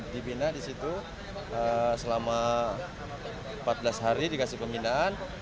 dibina di situ selama empat belas hari dikasih pembinaan